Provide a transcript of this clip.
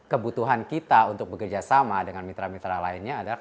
kebutuhan kita untuk bekerjasama dengan mitra mitra lainnya adalah